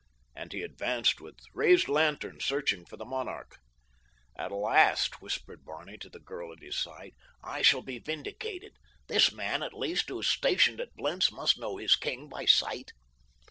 and he advanced with raised lantern searching for the monarch. "At last," whispered Barney to the girl at his side, "I shall be vindicated. This man, at least, who is stationed at Blentz must know his king by sight."